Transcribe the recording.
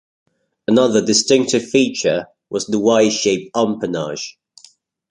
Another distinctive feature was the Y-shaped empennage.